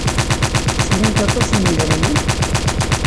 Srint aṭas n yidrimen?